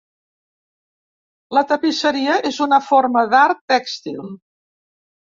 La tapisseria és una forma d'art tèxtil.